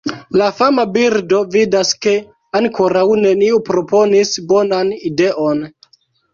La fama birdo vidas ke ankoraŭ neniu proponis bonan ideon.